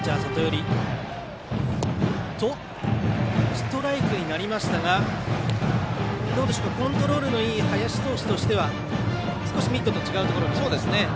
ストライクになりましたがどうでしょうかコントロールのいい林投手としては少しミットと違うところにいったでしょうか。